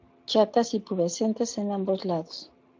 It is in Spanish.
Chatas y pubescentes en ambos lados.